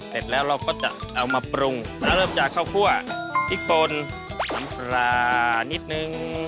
เสร็จแล้วเราก็จะเอามาปรุงแล้วเริ่มจากข้าวคั่วพริกปนน้ำปลานิดนึง